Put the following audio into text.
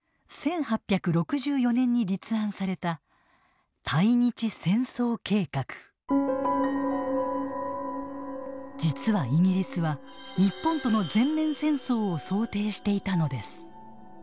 １８６４年に立案された実はイギリスは日本との全面戦争を想定していたのです。